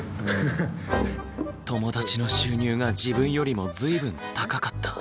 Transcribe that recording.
友達の収入が自分よりも随分高かった。